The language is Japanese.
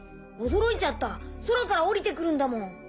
驚いちゃった空から降りて来るんだもん。